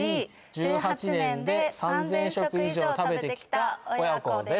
「１８年で３０００食以上食べてきた父娘」です